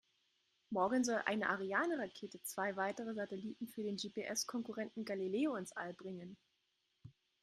Morgen soll eine Ariane-Rakete zwei weitere Satelliten für den GPS-Konkurrenten Galileo ins All bringen.